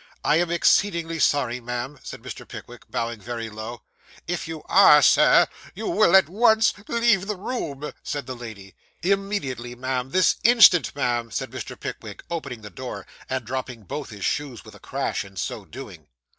'I am exceedingly sorry, ma'am,' said Mr. Pickwick, bowing very low. 'If you are, Sir, you will at once leave the room,' said the lady. 'Immediately, ma'am; this instant, ma'am,' said Mr. Pickwick, opening the door, and dropping both his shoes with a crash in so doing.